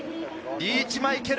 リーチ・マイケル！